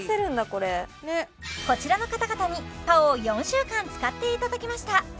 これこちらの方々にＰＡＯを４週間使っていただきました